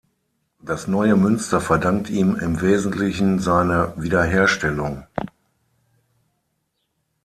Das neue Münster verdankt ihm im Wesentlichen seine Wiederherstellung.